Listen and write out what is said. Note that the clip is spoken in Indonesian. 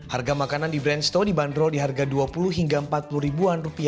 harga makanan di brandstow di bandro di harga dua puluh hingga empat puluh ribuan rupiah